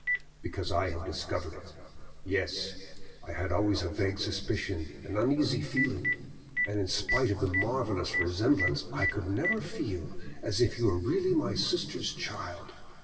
"Because I have discovered it. Yes, I had always a vague suspicion, an uneasy feeling, and in spite of the marvellous resemblance I could never feel as if he were really my sister's child.